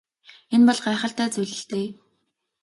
Энэ бол гайхалтай зүйл л дээ.